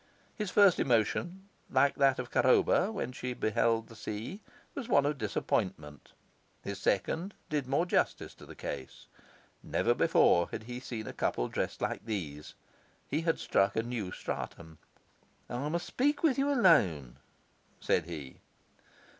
His first emotion, like that of Charoba when she beheld the sea, was one of disappointment; his second did more justice to the case. Never before had he seen a couple dressed like these; he had struck a new stratum. 'I must speak with you alone,' said he.